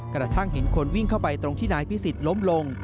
กระทั่งเห็นคนวิ่งเข้าไปตรงที่นายพิสิทธิ์ล้มลง